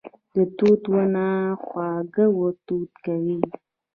د توت ونه خواږه توت کوي